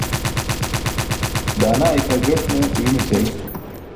Daanaa ikʰar jot ne uyum ećay.